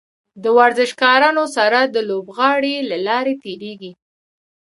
د ورزشکارانو سره د لوبغالي له لارې تیریږي.